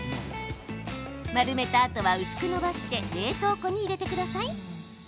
丸めたあとは薄くのばして冷凍庫に入れてください。